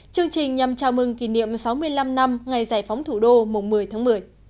chương trình nhằm chào mừng kỷ niệm sáu mươi năm năm ngày giải phóng thủ đô mùng một mươi tháng một mươi